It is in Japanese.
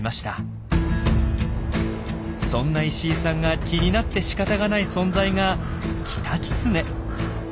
そんな石井さんが気になってしかたがない存在がキタキツネ。